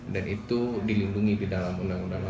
dan itu dilindungi di dalam undang undang nomor empat tahun berguna